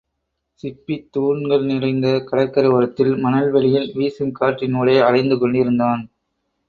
சிப்பித் தூண்கள் நிறைந்த கடற்கரை ஓரத்தில், மணல் வெளியில் வீசும் காற்றின் ஊடே அலைந்து கொண்டிருந்தான்.